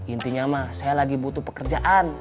intinya mah saya lagi butuh pekerjaan